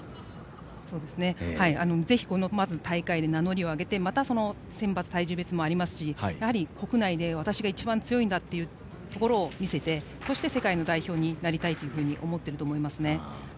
ぜひまずはこの大会で名乗りを上げてまた選抜、体重別もありますし国内で私が一番強いんだというところを見せてそして世界の代表になりたいと思っていると思います。